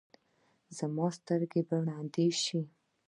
ایا زما سترګې به ړندې شي؟